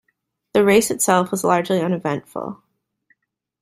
The race itself was largely uneventful.